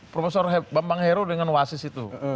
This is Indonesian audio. profesor bambang hero dengan wasis itu